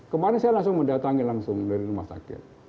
kemarin saya langsung mendatangi langsung dari rumah sakit